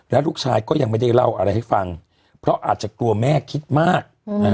แล้วลูกชายก็ยังไม่ได้เล่าอะไรให้ฟังเพราะอาจจะกลัวแม่คิดมาก